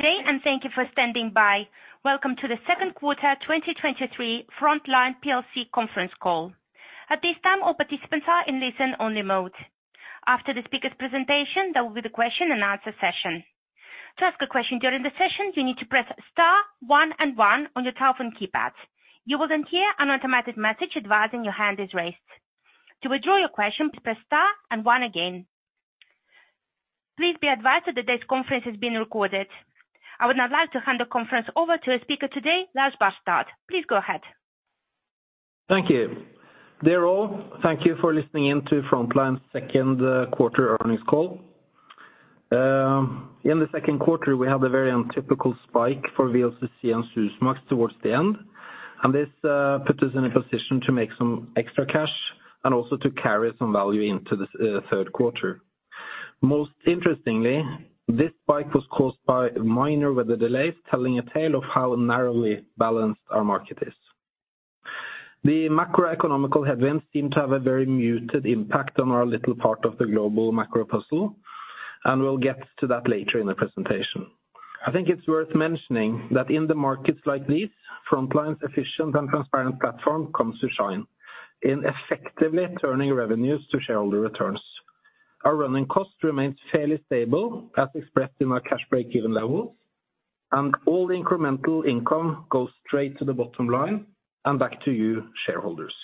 Today, and thank you for standing by. Welcome to the second quarter 2023 Frontline PLC conference call. At this time, all participants are in listen-only mode. After the speaker's presentation, there will be the question and answer session. To ask a question during the session, you need to press star one and one on your telephone keypad. You will then hear an automatic message advising your hand is raised. To withdraw your question, press star and one again. Please be advised that today's conference is being recorded. I would now like to hand the conference over to our speaker today, Lars Barstad. Please go ahead. Thank you. Dear all, thank you for listening in to Frontline's second quarter earnings call. In the second quarter, we had a very untypical spike for VLCC and Suezmax towards the end, and this put us in a position to make some extra cash and also to carry some value into the third quarter. Most interestingly, this spike was caused by minor weather delays, telling a tale of how narrowly balanced our market is. The macroeconomic headwinds seem to have a very muted impact on our little part of the global macro puzzle, and we'll get to that later in the presentation. I think it's worth mentioning that in the markets like these, Frontline's efficient and transparent platform comes to shine in effectively turning revenues to shareholder returns. Our running costs remains fairly stable, as expressed in our cash break-even levels, and all the incremental income goes straight to the bottom line and back to you, shareholders.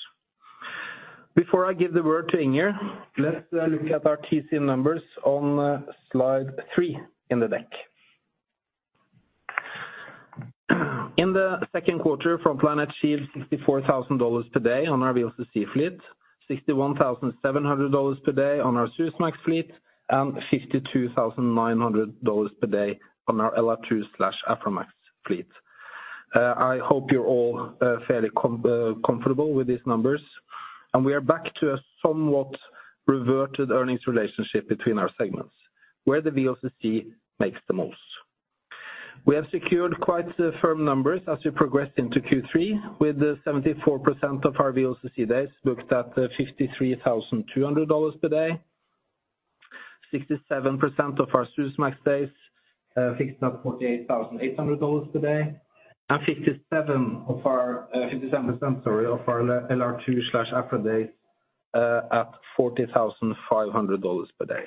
Before I give the word to Inger, let's look at our TC numbers on slide 3 in the deck. In the second quarter, Frontline achieved $64,000 per day on our VLCC fleet, $61,700 per day on our Suezmax fleet, and $52,900 per day on our LR2/Aframax fleet. I hope you're all fairly comfortable with these numbers, and we are back to a somewhat reverted earnings relationship between our segments, where the VLCC makes the most. We have secured quite firm numbers as we progress into Q3, with 74% of our VLCC days booked at $53,200 per day, 67% of our Suezmax days fixed at $48,800 per day, and 57% of our LR2/Afra days at $40,500 per day.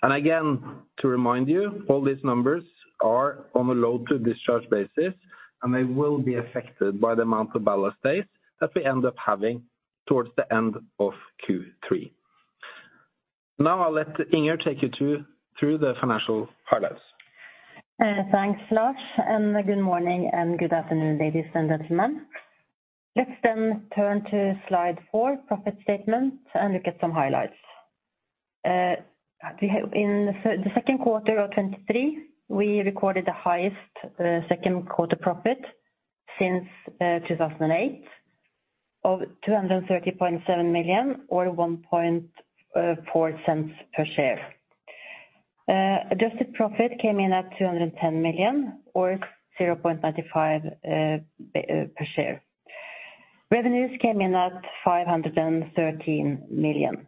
And again, to remind you, all these numbers are on a load to discharge basis, and they will be affected by the amount of ballast days that we end up having towards the end of Q3. Now I'll let Inger take you through the financial highlights. Thanks, Lars, and good morning and good afternoon, ladies and gentlemen. Let's then turn to slide four, profit statement, and look at some highlights. In the second quarter of 2023, we recorded the highest second quarter profit since 2008 of $230.7 million or $1.4 per share. Adjusted profit came in at $210 million or $0.95 per share. Revenues came in at $513 million.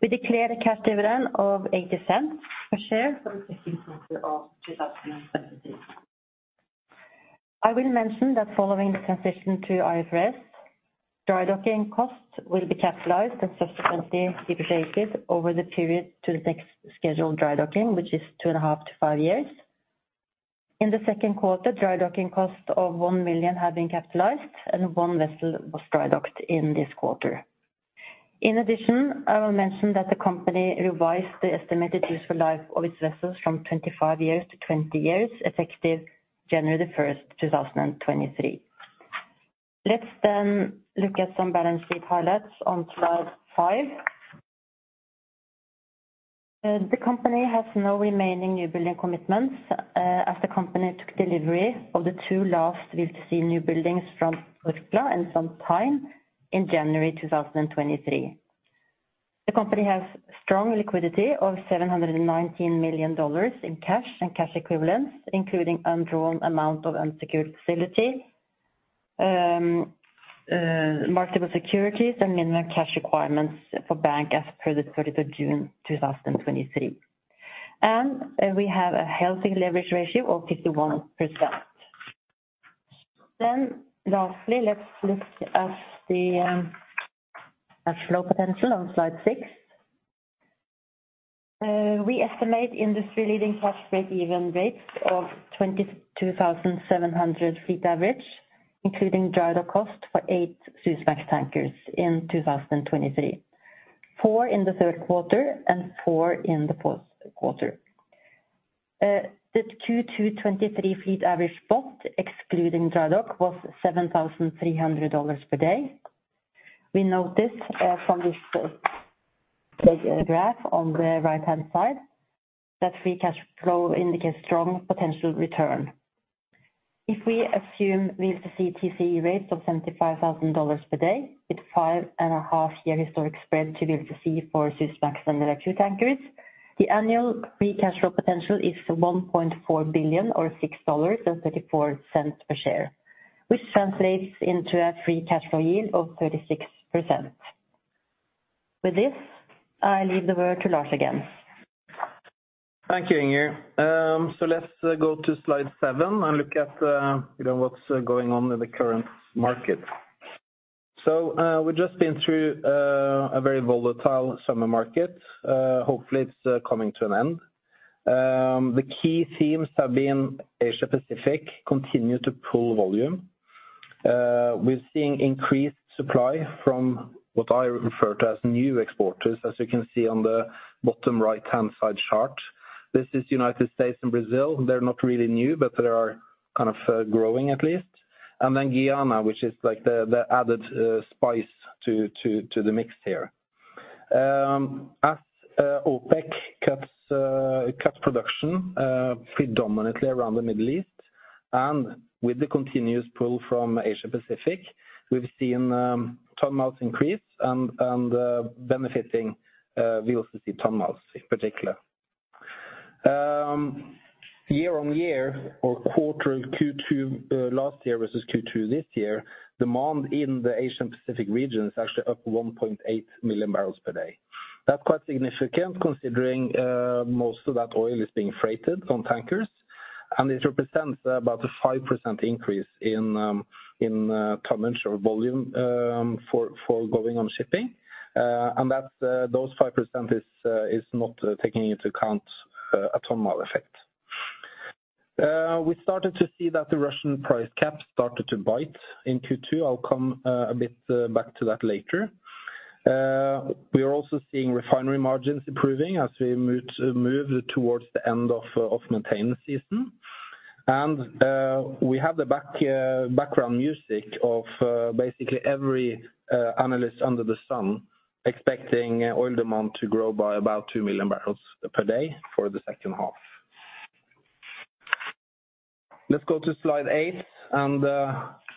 We declared a cash dividend of $0.80 per share for the second quarter of 2023. I will mention that following the transition to IFRS, dry docking costs will be capitalized and subsequently depreciated over the period to the next scheduled dry docking, which is 2.5-5 years. In the second quarter, dry docking costs of $1 million have been capitalized, and one vessel was dry docked in this quarter. In addition, I will mention that the company revised the estimated useful life of its vessels from 25 years to 20 years, effective January 1, 2023. Let's then look at some balance sheet highlights on slide five. The company has no remaining newbuilding commitments, as the company took delivery of the 2 last VLCC newbuildings from Korea and sometime in January 2023. The company has strong liquidity of $719 million in cash and cash equivalents, including undrawn amount of unsecured facility, marketable securities, and minimum cash requirements for bank as per the 30th of June, 2023. We have a healthy leverage ratio of 51%. Then lastly, let's look at the cash flow potential on slide 6. We estimate industry-leading cash break-even rates of $22,700 fleet average, including dry dock cost for 8 Suezmax tankers in 2023, 4 in the third quarter and four in the fourth quarter. The Q2 2023 fleet average spot, excluding dry dock, was $7,300 per day. We noticed from this graph on the right-hand side that free cash flow indicates strong potential return. If we assume VLCC TCE rates of $75,000 per day, with 5.5-year historic spread to VLCC for Suezmax and LR2 tankers, the annual free cash flow potential is $1.4 billion or $6.34 per share, which translates into a free cash flow yield of 36%. With this, I leave the word to Lars again. Thank you, Inger. So let's go to slide seven and look at, you know, what's going on in the current market. So, we've just been through a very volatile summer market. Hopefully, it's coming to an end. The key themes have been Asia Pacific continue to pull volume. We're seeing increased supply from what I refer to as new exporters, as you can see on the bottom right-hand side chart. This is United States and Brazil. They're not really new, but they are kind of growing at least. And then Guyana, which is like the added spice to the mix here. As OPEC cuts production predominantly around the Middle East, and with the continuous pull from Asia Pacific, we've seen ton-miles increase, and benefiting, we also see ton-miles in particular. Year-on-year or quarter Q2 last year versus Q2 this year, demand in the Asia Pacific region is actually up 1.8 million barrels per day. That's quite significant, considering most of that oil is being freighted on tankers, and it represents about a 5% increase in tonnage or volume for going on shipping. And that's those 5% is not taking into account a ton-mile effect. We started to see that the Russian price cap started to bite in Q2. I'll come a bit back to that later. We are also seeing refinery margins improving as we move towards the end of, of maintenance season. And, we have the background music of, basically every, analyst under the sun expecting oil demand to grow by about 2 million barrels per day for the second half. Let's go to slide eight, and,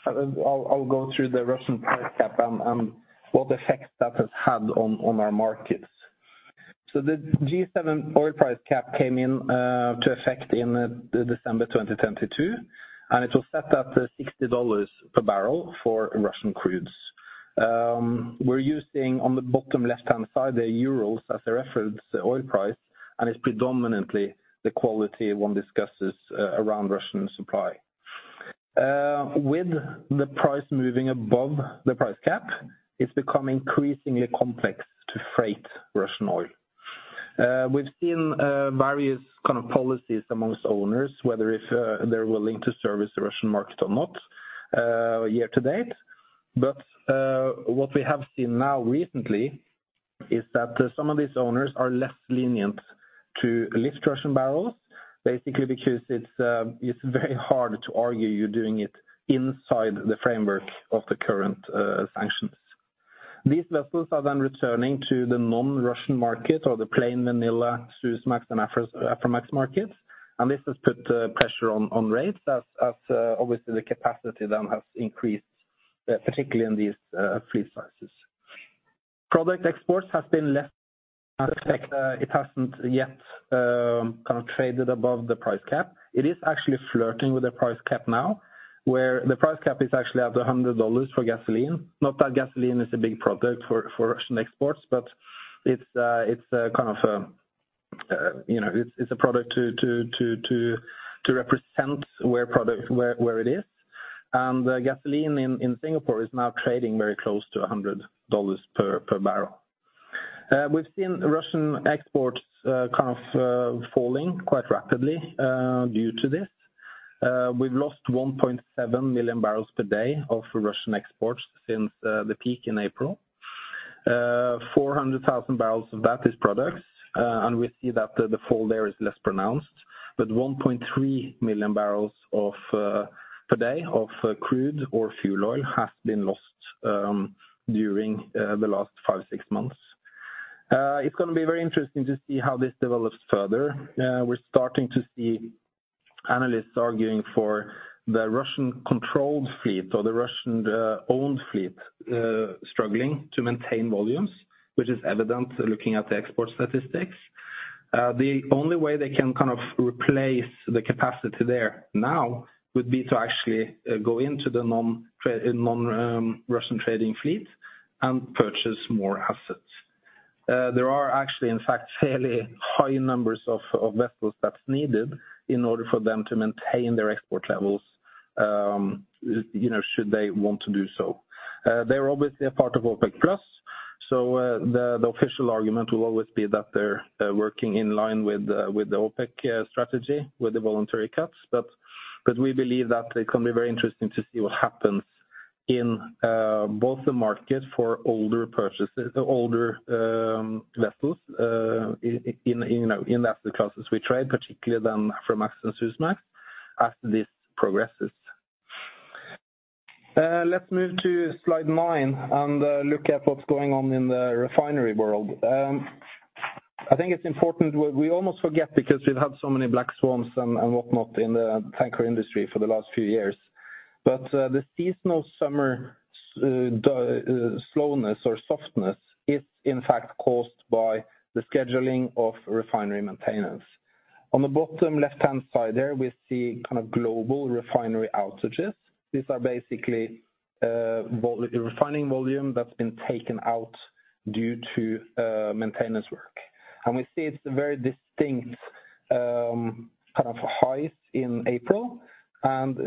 I'll go through the Russian price cap and, what effect that has had on, our markets. So the G7 oil price cap came into effect in, December 2022, and it was set at $60 per barrel for Russian crudes. We're using, on the bottom left-hand side there, Urals as a reference oil price, and it's predominantly the quality one discusses, around Russian supply. With the price moving above the price cap, it's become increasingly complex to freight Russian oil. We've seen various kind of policies amongst owners, whether if they're willing to service the Russian market or not, year to date. But what we have seen now recently is that some of these owners are less lenient to lift Russian barrels, basically because it's very hard to argue you're doing it inside the framework of the current sanctions. These vessels are then returning to the non-Russian market or the plain vanilla Suezmax and Aframax market, and this has put pressure on rates as obviously the capacity then has increased, particularly in these fleet sizes. Product exports has been less affect, it hasn't yet kind of traded above the price cap. It is actually flirting with the price cap now, where the price cap is actually at $100 for gasoline. Not that gasoline is a big product for Russian exports, but it's a kind of you know, it's a product to represent where product where it is. And gasoline in Singapore is now trading very close to $100 per barrel. We've seen Russian exports kind of falling quite rapidly due to this. We've lost 1.7 million barrels per day of Russian exports since the peak in April. Four hundred thousand barrels of that is products, and we see that the fall there is less pronounced. But 1.3 million barrels per day of crude or fuel oil has been lost during the last five, six months. It's gonna be very interesting to see how this develops further. We're starting to see analysts arguing for the Russian-controlled fleet or the Russian owned fleet struggling to maintain volumes, which is evident looking at the export statistics. The only way they can kind of replace the capacity there now would be to actually go into the non-Russian trading fleet and purchase more assets. There are actually, in fact, fairly high numbers of vessels that's needed in order for them to maintain their export levels, you know, should they want to do so. They're obviously a part of OPEC plus, so the official argument will always be that they're working in line with the OPEC strategy, with the voluntary cuts. But we believe that it can be very interesting to see what happens in both the market for older purchases - older vessels in you know in the asset classes we trade, particularly then Aframax and Suezmax, as this progresses. Let's move to slide nine and look at what's going on in the refinery world. I think it's important - we almost forget because we've had so many black swans and whatnot in the tanker industry for the last few years. But the seasonal summer slowness or softness is, in fact, caused by the scheduling of refinery maintenance. On the bottom left-hand side there, we see kind of global refinery outages. These are basically refining volume that's been taken out due to maintenance work. We see it's a very distinct kind of highs in April, and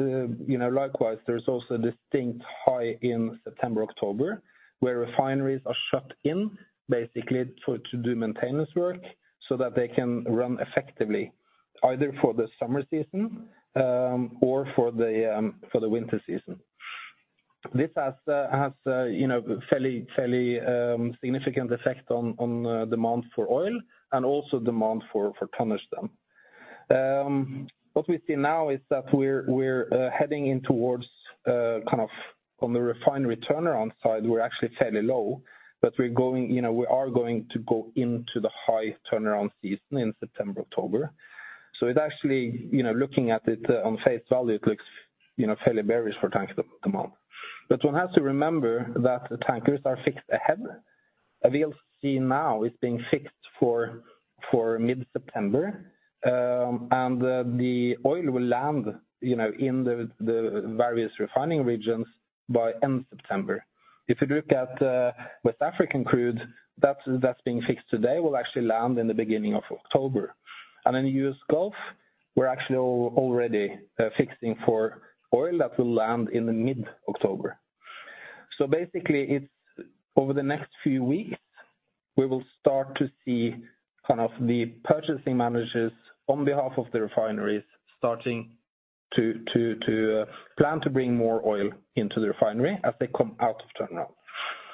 you know, likewise, there's also a distinct high in September, October, where refineries are shut in, basically, to do maintenance work so that they can run effectively, either for the summer season or for the winter season. This has you know, fairly, fairly significant effect on demand for oil, and also demand for tonnage then. What we see now is that we're heading in towards kind of on the refinery turnaround side, we're actually fairly low. But we're going you know, we are going to go into the high turnaround season in September, October. So it actually you know, looking at it on face value, it looks you know, fairly bearish for tanker demand. One has to remember that the tankers are fixed ahead. We'll see now it's being fixed for mid-September, and the oil will land, you know, in the various refining regions by end September. If you look at West African crude, that's being fixed today will actually land in the beginning of October. Then U.S. Gulf, we're actually already fixing for oil that will land in the mid-October. So basically, it's over the next few weeks, we will start to see kind of the purchasing managers on behalf of the refineries starting to plan to bring more oil into the refinery as they come out of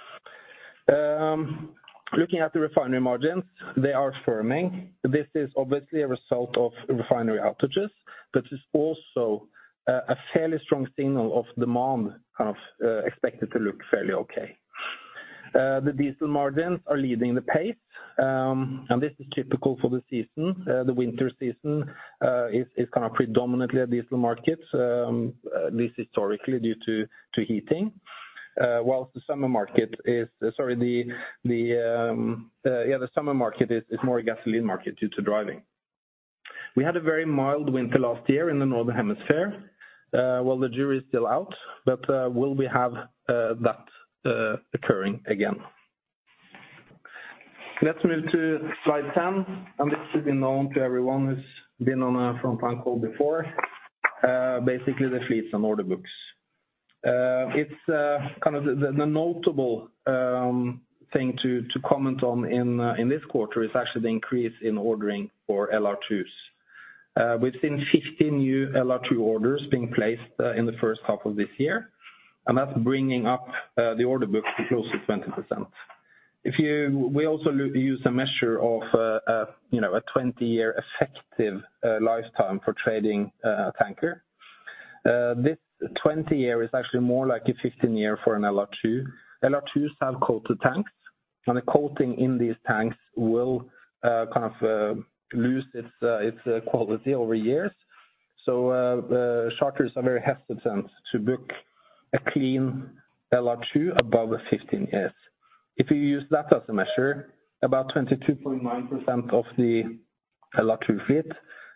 turnaround. Looking at the refinery margins, they are firming. This is obviously a result of refinery outages, but is also a fairly strong signal of demand, kind of, expected to look fairly okay. The diesel margins are leading the pace, and this is typical for the season. The winter season is kind of predominantly a diesel market, at least historically, due to heating. Whilst the summer market is more a gasoline market due to driving. We had a very mild winter last year in the Northern Hemisphere. Well, the jury is still out, but will we have that occurring again? Let's move to slide 10, and this should be known to everyone who's been on a Frontline call before. Basically, the fleets and order books. It's kind of the notable thing to comment on in this quarter is actually the increase in ordering for LR2s. We've seen 50 new LR2 orders being placed in the first half of this year, and that's bringing up the order book to close to 20%. We also use a measure of, you know, a 20-year effective lifetime for trading a tanker. This 20-year is actually more like a 15-year for an LR2. LR2s have coated tanks, and the coating in these tanks will kind of lose its quality over years. So, charters are very hesitant to book a clean LR2 above 15 years. If you use that as a measure, about 22.9% of the LR2 fleet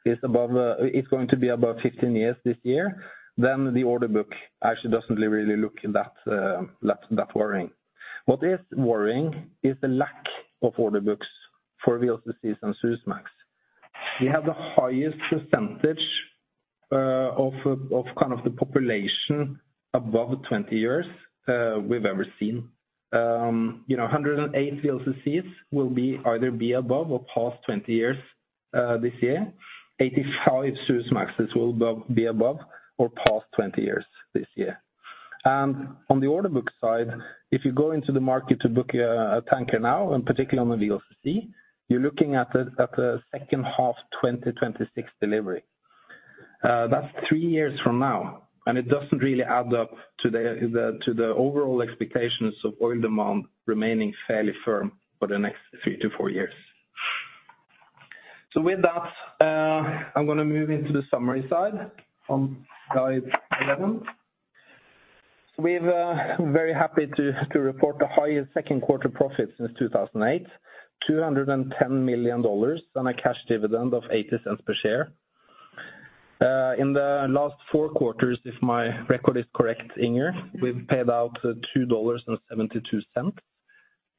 is above, is going to be above 15 years this year, then the order book actually doesn't really look that, that worrying. What is worrying is the lack of order books for VLCCs and Suezmax. We have the highest percentage, of kind of the population above 20 years, we've ever seen. You know, 108 VLCCs will be either above or past 20 years, this year. 85 Suezmaxes will be above or past 20 years this year. And on the order book side, if you go into the market to book a tanker now, and particularly on the VLCC, you're looking at a second half 2026 delivery. That's three years from now, and it doesn't really add up to the, the, to the overall expectations of oil demand remaining fairly firm for the next 3-4 years. With that, I'm gonna move into the summary side on slide 11. We're very happy to report the highest second quarter profit since 2008, $210 million, and a cash dividend of $0.80 per share. In the last 4 quarters, if my record is correct, Inger, we've paid out $2.72.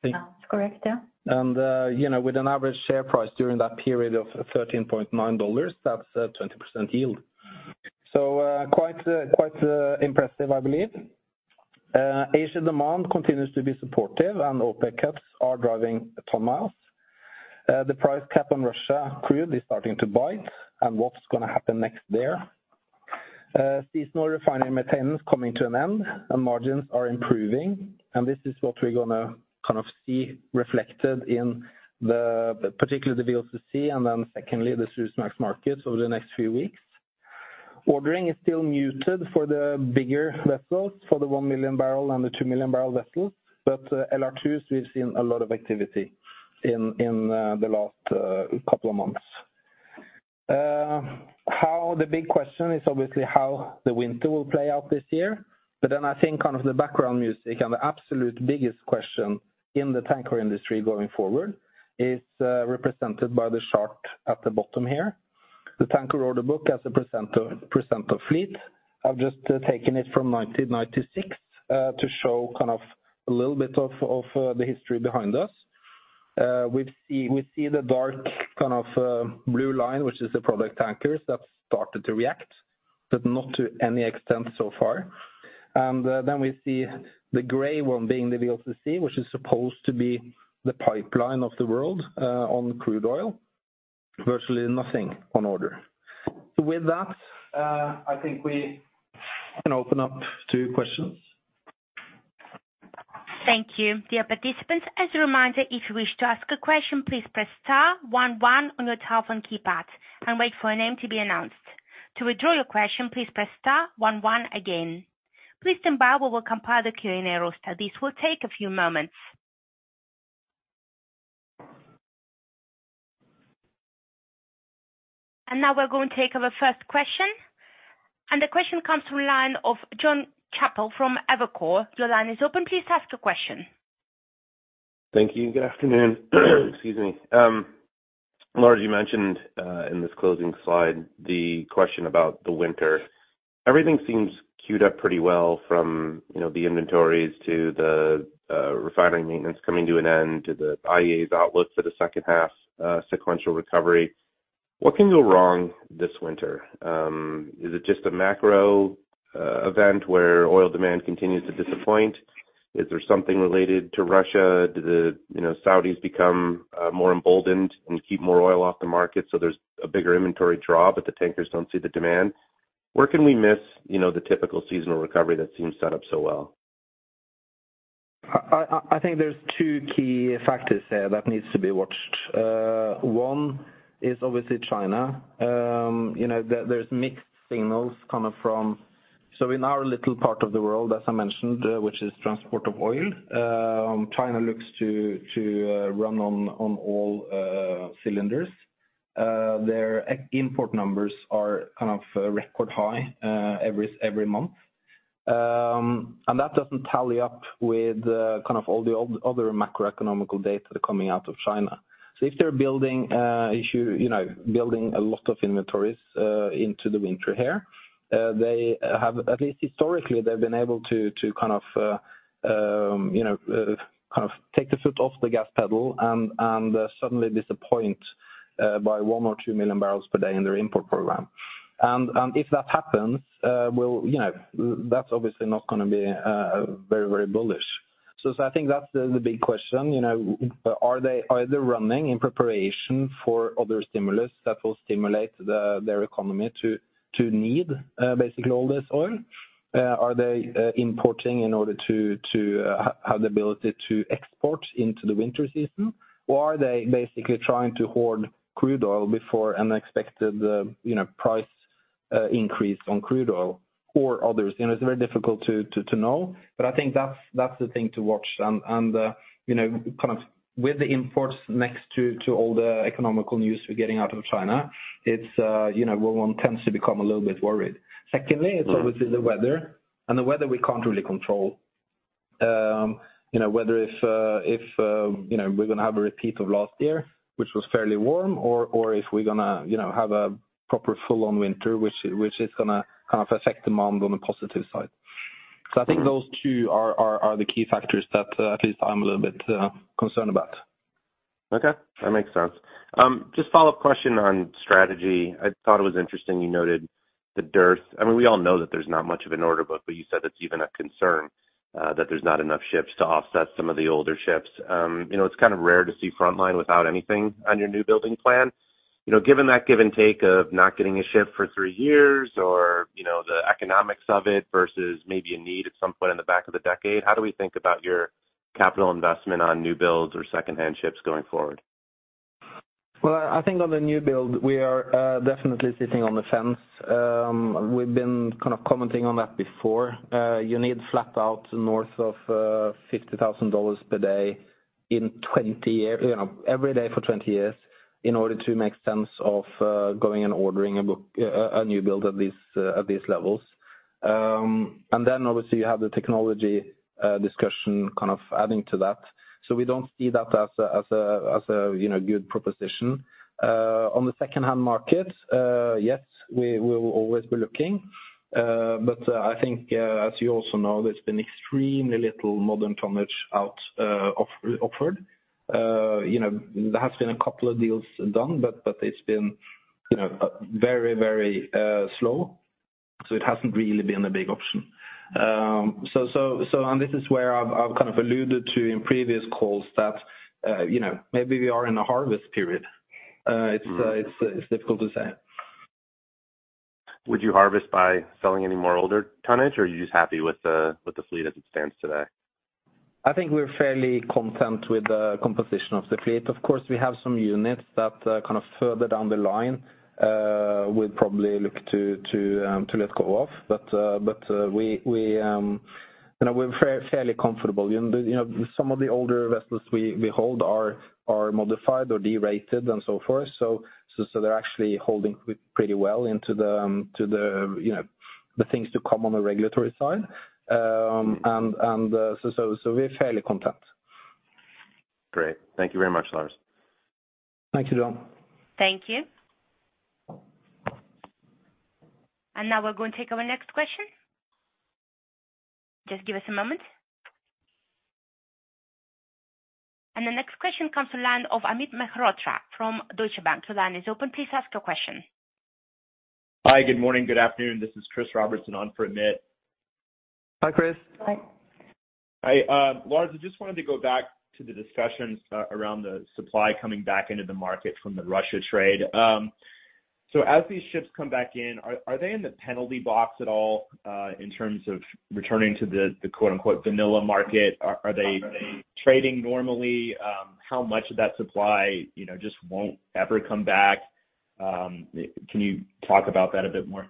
That's correct, yeah. With an average share price during that period of $13.9, that's a 20% yield. So, quite impressive, I believe. Asian demand continues to be supportive and OPEC cuts are driving ton miles. The price cap on Russia crude is starting to bite, and what's gonna happen next there? Seasonal refinery maintenance coming to an end, and margins are improving, and this is what we're gonna kind of see reflected in the... particularly the VLCC, and then secondly, the Suezmax market over the next few weeks. Ordering is still muted for the bigger vessels, for the 1 million barrel and the 2 million barrel vessels, but LR2s, we've seen a lot of activity in the last couple of months. How the big question is obviously how the winter will play out this year. But then I think kind of the background music and the absolute biggest question in the tanker industry going forward is represented by the chart at the bottom here. The tanker order book as a % of % of fleet. I've just taken it from 1996 to show kind of a little bit of the history behind us. We see the dark kind of blue line, which is the product tankers that started to react, but not to any extent so far. And then we see the gray one being difficult to see, which is supposed to be the pipeline of the world on crude oil. Virtually nothing on order. So with that, I think we can open up to questions. Thank you. Dear participants, as a reminder, if you wish to ask a question, please press star one one on your telephone keypad and wait for a name to be announced. To withdraw your question, please press star one one again. Please stand by, we will compile the Q&A roster. This will take a few moments. Now we're going to take our first question. The question comes from line of Jonathan Chappell from Evercore. Your line is open. Please ask your question. Thank you, and good afternoon. Excuse me. Lars, you mentioned in this closing slide, the question about the winter. Everything seems cued up pretty well from, you know, the inventories to the refinery maintenance coming to an end, to the IEA's outlook for the second half sequential recovery. What can go wrong this winter? Is it just a macro event where oil demand continues to disappoint? Is there something related to Russia? Do the, you know, Saudis become more emboldened and keep more oil off the market so there's a bigger inventory draw, but the tankers don't see the demand? Where can we miss, you know, the typical seasonal recovery that seems set up so well? I think there's two key factors there that needs to be watched. One is obviously China. You know, there's mixed signals coming from... So in our little part of the world, as I mentioned, which is transport of oil, China looks to run on all cylinders. Their import numbers are kind of record high every month. And that doesn't tally up with kind of all the other macroeconomic data coming out of China. So if they're building, you know, building a lot of inventories into the winter here, they have, at least historically, they've been able to kind of, you know, kind of take the foot off the gas pedal and suddenly disappoint by 1 or 2 million barrels per day in their import program. And if that happens, we'll, you know, that's obviously not gonna be very, very bullish. So I think that's the big question, you know, are they running in preparation for other stimulus that will stimulate their economy to need basically all this oil? Are they importing in order to have the ability to export into the winter season? Or are they basically trying to hoard crude oil before an expected, you know, price increase on crude oil or others? You know, it's very difficult to know, but I think that's the thing to watch. And, you know, kind of with the imports next to all the economic news we're getting out of China, it's, you know, one tends to become a little bit worried. Secondly, it's obviously the weather, and the weather we can't really control. You know, whether if, if, you know, we're gonna have a repeat of last year, which was fairly warm, or if we're gonna, you know, have a proper full-on winter, which is gonna kind of affect demand on the positive side. So I think those two are the key factors that at least I'm a little bit concerned about. Okay, that makes sense. Just a follow-up question on strategy. I thought it was interesting you noted the dearth. I mean, we all know that there's not much of an order book, but you said it's even a concern that there's not enough ships to offset some of the older ships. You know, it's kind of rare to see Frontline without anything on your new building plan. You know, given that give and take of not getting a ship for three years or, you know, the economics of it versus maybe a need at some point in the back of the decade, how do we think about your capital investment on new builds or secondhand ships going forward? Well, I think on the new build, we are definitely sitting on the fence. We've been kind of commenting on that before. You need flat out north of $50,000 per day in 20-year, you know, every day for 20 years, in order to make sense of going and ordering a new build at these levels. And then obviously, you have the technology discussion kind of adding to that. So we don't see that as a you know, good proposition. On the secondhand market, yes, we will always be looking, but I think, as you also know, there's been extremely little modern tonnage out offered. You know, there has been a couple of deals done, but it's been, you know, very, very slow, so it hasn't really been a big option. So, and this is where I've kind of alluded to in previous calls that, you know, maybe we are in a harvest period. It's- Mm-hmm... it's difficult to say. Would you harvest by selling any more older tonnage, or are you just happy with the, with the fleet as it stands today? I think we're fairly content with the composition of the fleet. Of course, we have some units that kind of further down the line we'll probably look to let go of. But we you know, we're fairly comfortable. You know, the you know some of the older vessels we hold are modified or derated and so forth, so they're actually holding pretty well into the to the you know the things to come on the regulatory side. And so we're fairly content. Great. Thank you very much, Lars. Thanks, John. Thank you. Now we're going to take our next question. Just give us a moment. The next question comes from the line of Amit Mehrotra from Deutsche Bank. The line is open. Please ask your question. Hi, good morning. Good afternoon. This is Chris Robertson on for Amit. Hi, Chris. Hi. Hi, Lars, I just wanted to go back to the discussions around the supply coming back into the market from the Russia trade. So as these ships come back in, are they in the penalty box at all in terms of returning to the quote-unquote vanilla market? Are they trading normally? How much of that supply, you know, just won't ever come back? Can you talk about that a bit more?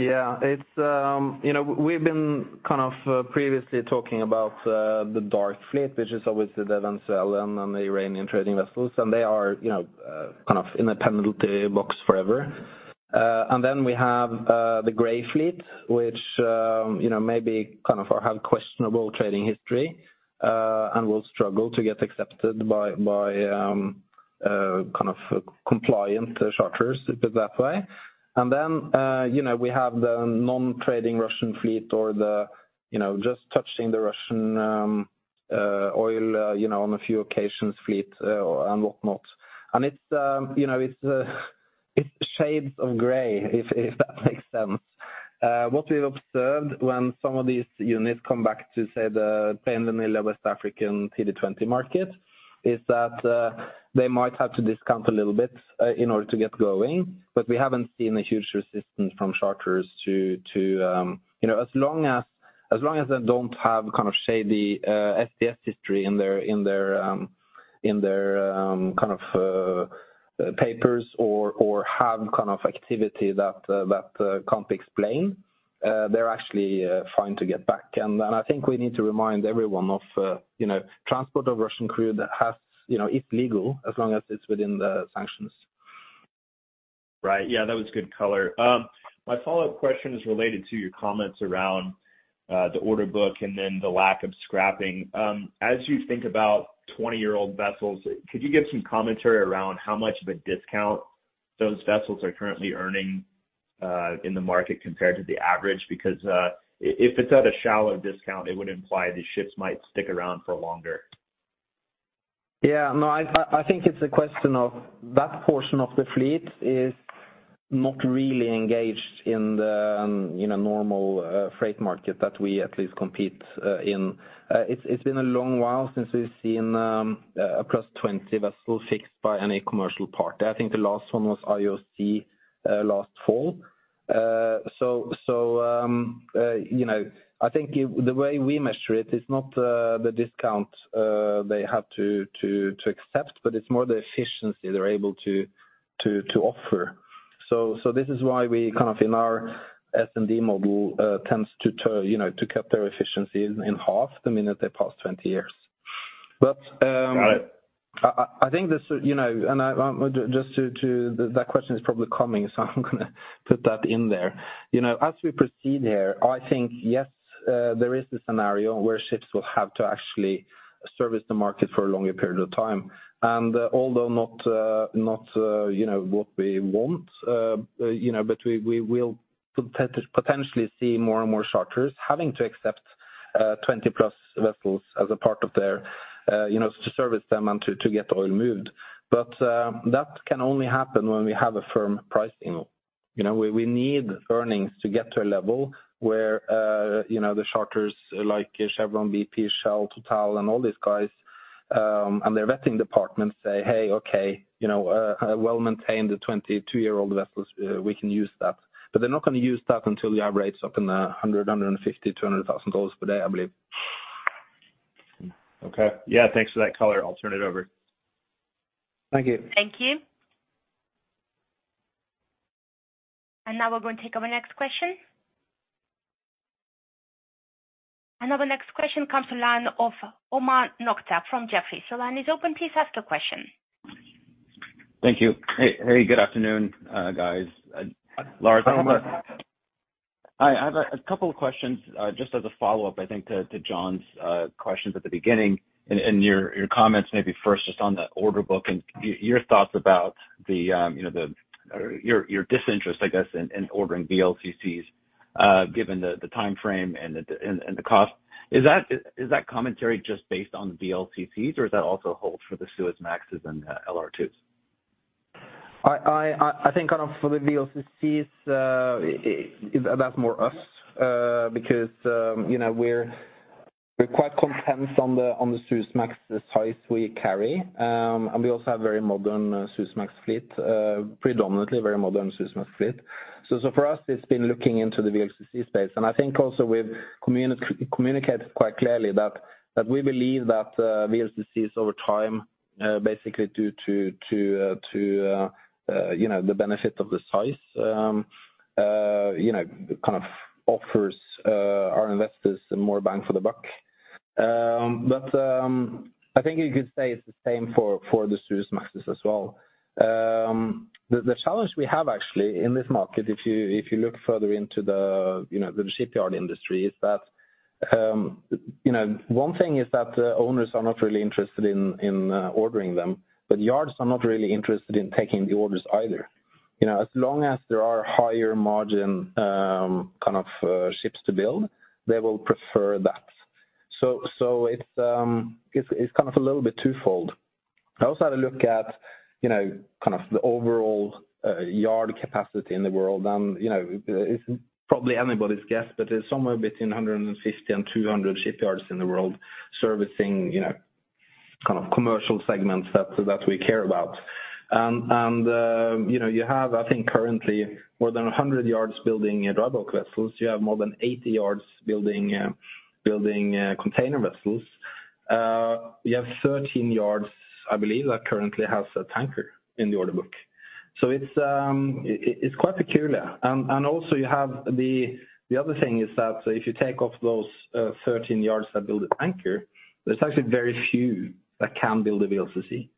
Yeah, it's, you know, we've been kind of previously talking about the dark fleet, which is obviously the Venezuelan and the Iranian trading vessels, and they are, you know, kind of in a penalty box forever. And then we have the gray fleet, which, you know, maybe kind of have questionable trading history and will struggle to get accepted by kind of compliant charters, put it that way. And then, you know, we have the non-trading Russian fleet or the, you know, just touching the Russian oil, you know, on a few occasions fleet, and whatnot. And it's, you know, it's, it's shades of gray, if that makes sense. What we've observed when some of these units come back to, say, the West African TD20 market, is that, they might have to discount a little bit, in order to get going. But we haven't seen a huge resistance from charterers to, you know, as long as they don't have kind of shady, SDhistory in their, kind of, papers or have kind of activity that, can't explain, they're actually, fine to get back. And I think we need to remind everyone of, you know, transport of Russian crude that, you know, is legal as long as it's within the sanctions. Right. Yeah, that was good color. My follow-up question is related to your comments around the order book and then the lack of scrapping. As you think about twenty-year-old vessels, could you give some commentary around how much of a discount those vessels are currently earning in the market compared to the average? Because if it's at a shallow discount, it would imply these ships might stick around for longer. Yeah, no, I think it's a question of that portion of the fleet is not really engaged in the, you know, normal freight market that we at least compete in. It's been a long while since we've seen a +20 vessel fixed by any commercial party. I think the last one was IOC last fall. So, you know, I think it-- the way we measure it is not the discount they have to accept, but it's more the efficiency they're able to offer. So this is why we kind of, in our S&D model, tends to cut their efficiency in half the minute they pass 20 years. But- Got it. I think this, you know, just to... That question is probably coming, so I'm gonna put that in there. You know, as we proceed here, I think, yes, there is a scenario where ships will have to actually service the market for a longer period of time. And although not, you know, what we want, you know, but we will potentially see more and more charters having to accept 20-plus vessels as a part of their, you know, to service them and to get oil moved. But that can only happen when we have a firm pricing. You know, we need earnings to get to a level where, you know, the charters, like Chevron, BP, Shell, Total, and all these guys, and their vetting departments say, "Hey, okay, you know, well-maintained 22-year-old vessels, we can use that." But they're not going to use that until we have rates up in the $100 thousand, $150 thousand, $200 thousand dollars per day, I believe. Okay. Yeah, thanks for that color. I'll turn it over. Thank you. Thank you. Now we're going to take our next question. Our next question comes to line of Omar Nokta from Jefferies. The line is open, please ask your question. Thank you. Hey, hey, good afternoon, guys. Lars- Hello. Hi, I have a couple of questions just as a follow-up, I think, to John's questions at the beginning, and your comments, maybe first just on the order book and your thoughts about... Your disinterest, I guess, in ordering VLCCs given the timeframe and the cost. Is that commentary just based on the VLCCs, or does that also hold for the Suezmaxes and LR2s? I think kind of for the VLCCs, that's more us, because, you know, we're quite content on the Suezmax, the size we carry. And we also have very modern Suezmax fleet, predominantly very modern Suezmax fleet. So for us, it's been looking into the VLCC space. And I think also we've communicated quite clearly that we believe that VLCCs over time, basically due to the benefit of the size, you know, kind of offers our investors more bang for the buck. But I think you could say it's the same for the Suezmaxes as well. The challenge we have actually in this market, if you look further into the shipyard industry, is that, you know, one thing is that the owners are not really interested in ordering them, but yards are not really interested in taking the orders either. You know, as long as there are higher margin kind of ships to build, they will prefer that. So it's kind of a little bit twofold. I also had a look at, you know, kind of the overall yard capacity in the world. You know, it's probably anybody's guess, but it's somewhere between 150 and 200 shipyards in the world servicing, you know, kind of commercial segments that we care about. You know, you have, I think currently, more than 100 yards building dry bulk vessels. You have more than 80 yards building container vessels. You have 13 yards, I believe, that currently has a tanker in the order book. So it's quite peculiar. The other thing is that if you take off those 13 yards that build a tanker, there's actually very few that can build a VLCC.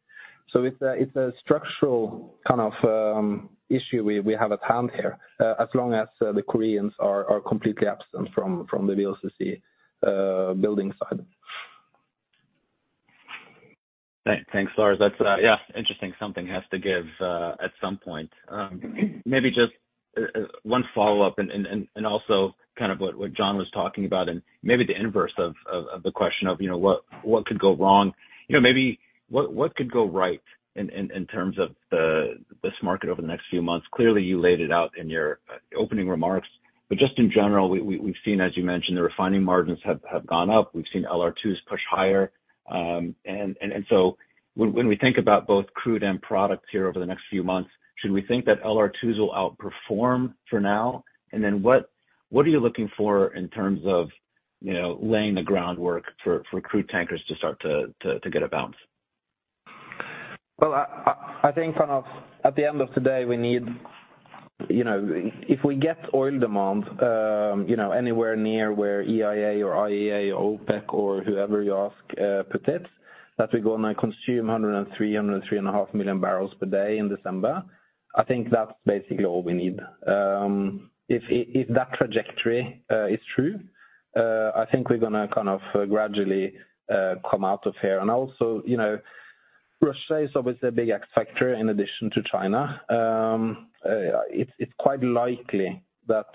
So it's a structural kind of issue we have at hand here, as long as the Koreans are completely absent from the VLCC building side. Thanks, Lars. That's, yeah, interesting. Something has to give at some point. Maybe just one follow-up and also kind of what John was talking about, and maybe the inverse of the question of, you know, what could go wrong? You know, maybe what could go right in terms of this market over the next few months? Clearly, you laid it out in your opening remarks, but just in general, we've seen, as you mentioned, the refining margins have gone up. We've seen LR2s push higher. And so when we think about both crude and products here over the next few months, should we think that LR2s will outperform for now? And then, what are you looking for in terms of, you know, laying the groundwork for crude tankers to start to get a bounce? Well, I think kind of at the end of the day, we need, you know, if we get oil demand, you know, anywhere near where EIA or IEA, OPEC or whoever you ask, put it, that we're gonna consume 103, 103.5 million barrels per day in December, I think that's basically all we need. If that trajectory is true, I think we're gonna kind of gradually come out of here. And also, you know, Russia is obviously a big X factor in addition to China. It's quite likely that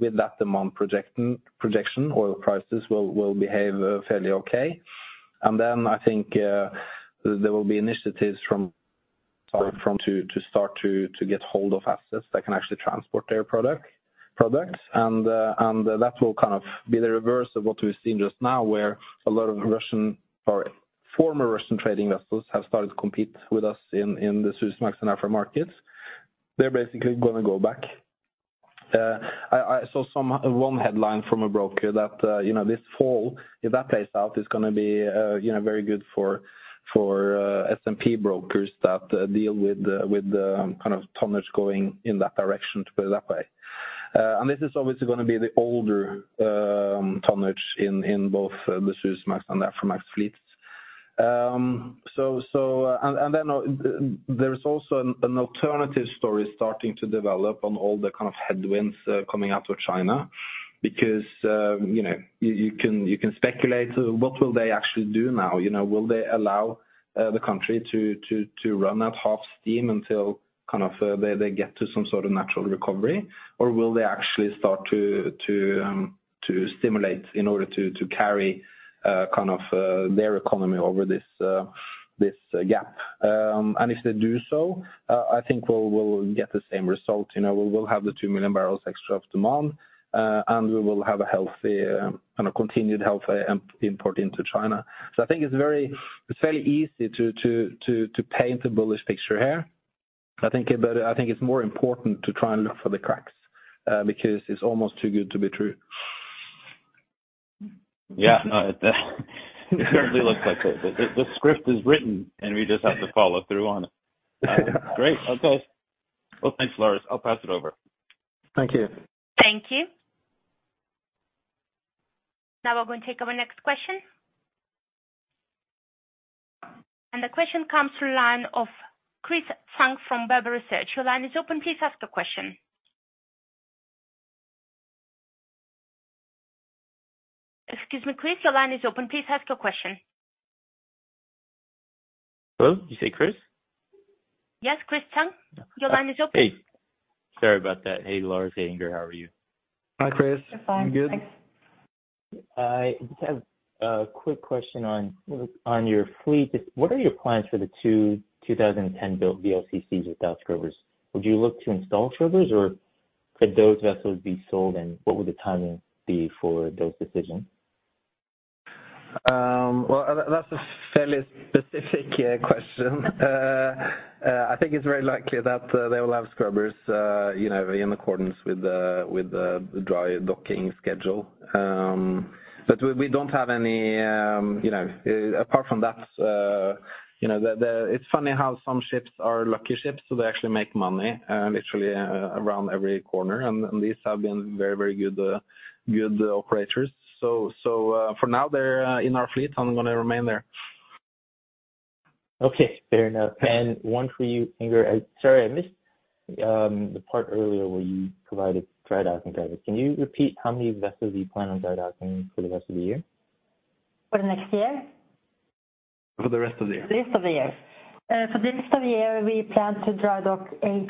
with that demand projection, oil prices will behave fairly okay. Then I think there will be initiatives to start to get hold of assets that can actually transport their products. And that will kind of be the reverse of what we've seen just now, where a lot of Russian or former Russian trading vessels have started to compete with us in the Suezmax and Aframax markets. They're basically gonna go back. I saw someone headline from a broker that, you know, this fall, if that plays out, is gonna be, you know, very good for S&P brokers that deal with the kind of tonnage going in that direction, to put it that way. And this is obviously gonna be the older tonnage in both the Suezmax and Aframax fleets. So... Then there's also an alternative story starting to develop on all the kind of headwinds coming out of China, because you know, you can speculate, what will they actually do now? You know, will they allow the country to run at half steam until kind of they get to some sort of natural recovery? Or will they actually start to stimulate in order to carry kind of their economy over this gap? And if they do so, I think we'll get the same result. You know, we'll have the 2 million barrels extra of demand, and we will have a healthy and a continued healthy import into China. So I think it's very easy to paint a bullish picture here, I think. But I think it's more important to try and look for the cracks, because it's almost too good to be true. Yeah, no, it certainly looks like it. The script is written, and we just have to follow through on it. Great. Okay. Well, thanks, Lars. I'll pass it over. Thank you. Thank you. Now we're going to take our next question. The question comes through the line of Chris Chung from Barba Research. Your line is open. Please ask the question. Excuse me, Chris, your line is open. Please ask your question. Hello, did you say Chris? Yes, Chris Chung, your line is open. Hey, sorry about that. Hey, Lars, Hey, Inger, how are you? Hi, Chris. I'm fine, thanks. I just have a quick question on your fleet. What are your plans for the two 2010-built VLCCs without scrubbers? Would you look to install scrubbers, or could those vessels be sold, and what would the timing be for those decisions? Well, that's a fairly specific question. I think it's very likely that they will have scrubbers, you know, in accordance with the dry docking schedule. But we don't have any, you know, apart from that. You know, it's funny how some ships are lucky ships, so they actually make money literally around every corner. And these have been very, very good operators. So, for now, they're in our fleet and are gonna remain there. Okay, fair enough. And one for you, Inger. Sorry, I missed the part earlier where you provided dry docking guidance. Can you repeat how many vessels you plan on dry docking for the rest of the year? For the next year? For the rest of the year. Rest of the year. For the rest of the year, we plan to drydock 8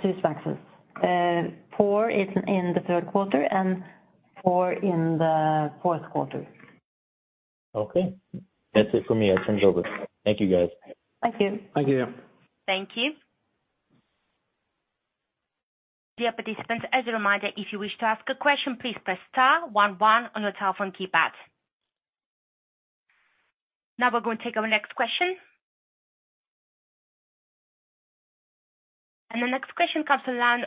Suezmaxes. 4 is in the third quarter and 4 in the fourth quarter. Okay. That's it for me. I turn it over. Thank you, guys. Thank you. Thank you. Thank you. Dear participants, as a reminder, if you wish to ask a question, please press star one one on your telephone keypad. Now we're going to take our next question. And the next question comes from the line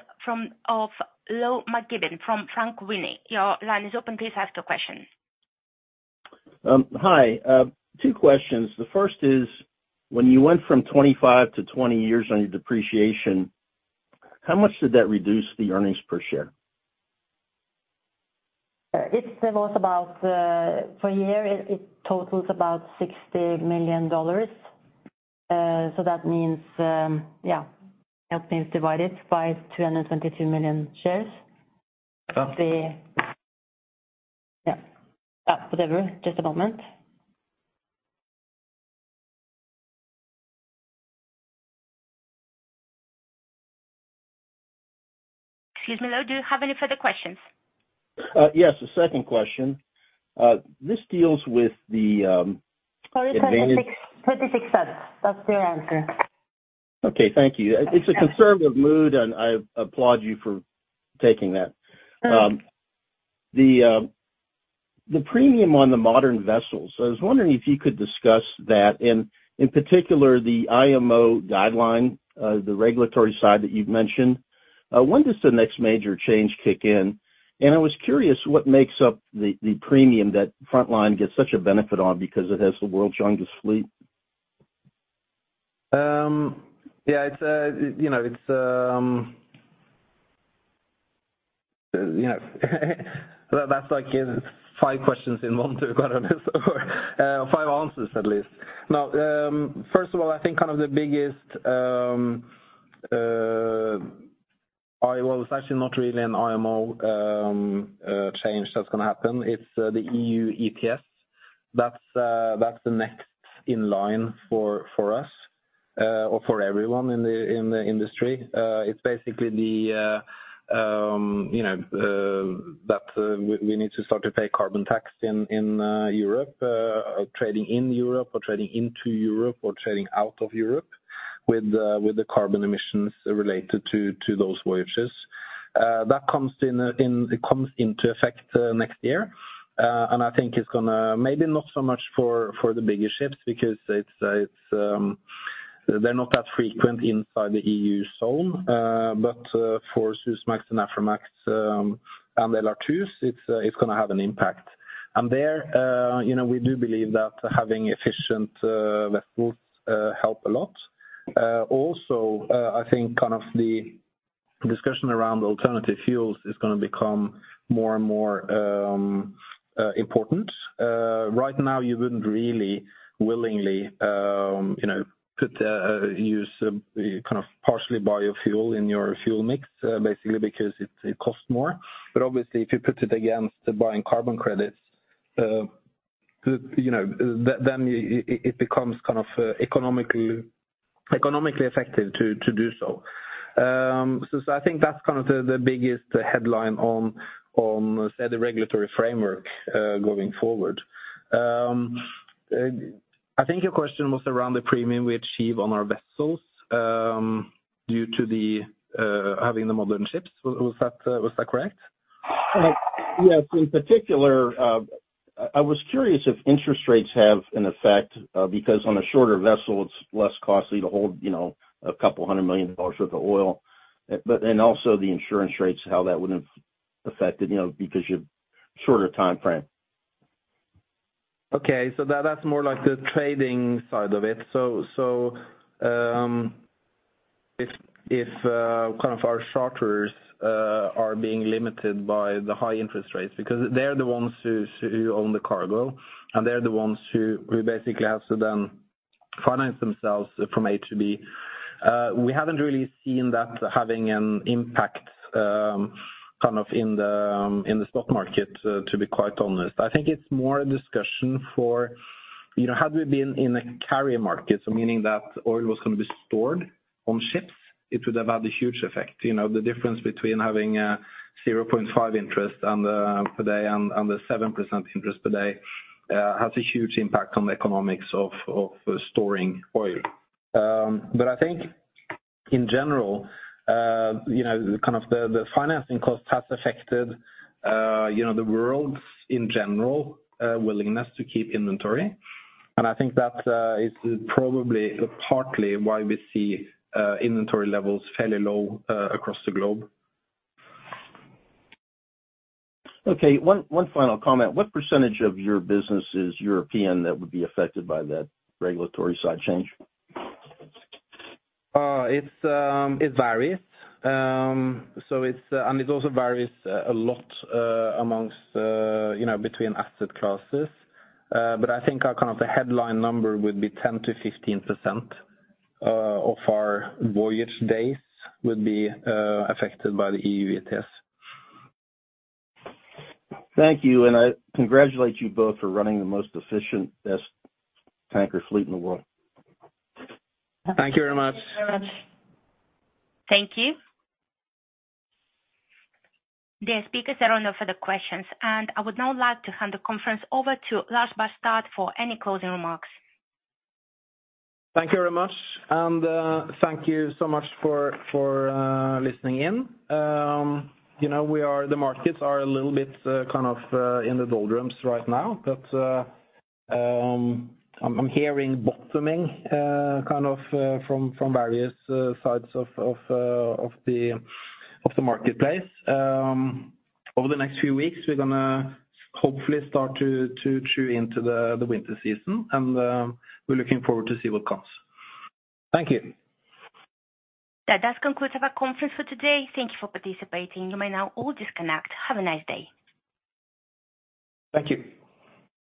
of Lo McGibbon from Frank Winnie. Your line is open. Please ask your question. Hi. Two questions. The first is, when you went from 25- 20 years on your depreciation, how much did that reduce the earnings per share? It was about for a year, it totals about $60 million. So that means, yeah, that means divided by 222 million shares. Okay. Yeah, whatever, just a moment. Excuse me, Lo, do you have any further questions? Yes, the second question. This deals with the advantage- Sorry, 36, 36 cents. That's the answer. Okay, thank you. It's a conservative mood, and I applaud you for taking that. Mm-hmm. The, the premium on the modern vessels, I was wondering if you could discuss that, and in particular, the IMO guideline, the regulatory side that you've mentioned. When does the next major change kick in? And I was curious, what makes up the, the premium that Frontline gets such a benefit on because it has the world's youngest fleet? Yeah, it's, you know, it's, you know, that's like, five questions in one to be quite honest, or, five answers, at least. Now, first of all, I think kind of the biggest, Well, it's actually not really an IMO, change that's gonna happen. It's, the EU ETS. That's, that's the next in line for, for us, or for everyone in the, in the industry. It's basically the, you know, that, we, we need to start to pay carbon tax in, in, Europe, trading in Europe or trading into Europe or trading out of Europe with the, with the carbon emissions related to, to those voyages. That comes in, in. It comes into effect, next year. And I think it's gonna maybe not so much for, for the bigger ships, because it's, it's, they're not that frequent inside the EU zone. But, for Suezmax and Aframax, and LR2s, it's, it's gonna have an impact. And there, you know, we do believe that having efficient, vessels, help a lot. Also, I think kind of the discussion around alternative fuels is gonna become more and more, important. Right now, you wouldn't really willingly, you know, put, use, kind of partially biofuel in your fuel mix, basically because it, it costs more. But obviously, if you put it against buying carbon credits, you know, then, then it, it becomes kind of economically, economically effective to, to do so. So I think that's kind of the biggest headline on, say, the regulatory framework, going forward. I think your question was around the premium we achieve on our vessels, due to having the modern ships. Was that correct? Yes. In particular, I was curious if interest rates have an effect, because on a shorter vessel, it's less costly to hold, you know, $200 million worth of oil. And also the insurance rates, how that would have affected, you know, because your shorter timeframe. Okay. So that's more like the trading side of it. So, if kind of our charters are being limited by the high interest rates, because they're the ones who own the cargo, and they're the ones who we basically have to then finance themselves from A to B. We haven't really seen that having an impact, kind of in the stock market, to be quite honest. I think it's more a discussion for, you know, had we been in a carrier market, so meaning that oil was going to be stored on ships, it would have had a huge effect. You know, the difference between having a 0.5% interest per day and a 7% interest per day has a huge impact on the economics of storing oil. But I think in general, you know, kind of the financing cost has affected, you know, the world in general willingness to keep inventory. And I think that is probably partly why we see inventory levels fairly low across the globe. Okay, one, one final comment. What percentage of your business is European that would be affected by that regulatory side change? It varies. So it's... And it also varies a lot among, you know, between asset classes. But I think our kind of the headline number would be 10%-15% of our voyage days would be affected by the EU ETS. Thank you, and I congratulate you both for running the most efficient vessel tanker fleet in the world. Thank you very much. Thank you very much. Thank you. Dear speakers, there are no further questions, and I would now like to hand the conference over to Lars Barstad for any closing remarks. Thank you very much, and thank you so much for listening in. You know, the markets are a little bit kind of in the doldrums right now, but I'm hearing bottoming kind of from various sides of the marketplace. Over the next few weeks, we're gonna hopefully start to chew into the winter season, and we're looking forward to see what comes. Thank you. That does conclude our conference for today. Thank you for participating. You may now all disconnect. Have a nice day. Thank you.